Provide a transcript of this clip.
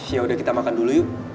yaudah kita makan dulu yuk